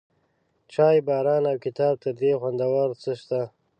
چای، باران، او کتاب، تر دې خوندور څه شته؟